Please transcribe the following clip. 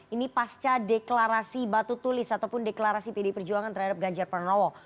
ini pasca deklarasi batu tulis ataupun deklarasi pdi perjuangan terhadap ganjar pranowo